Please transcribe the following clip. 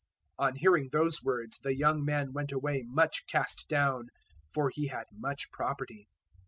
019:022 On hearing those words the young man went away much cast down; for he had much property.